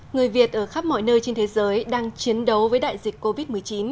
người việt ở khắp mọi nơi trên thế giới đang chiến đấu với đại dịch covid một mươi chín